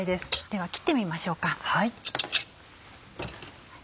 では切ってみましょうか。